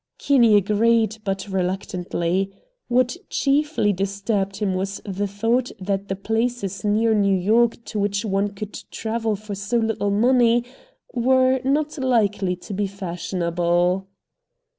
Kinney agreed, but reluctantly. What chiefly disturbed him was the thought that the places near New York to which one could travel for so little money were not likely to be fashionable.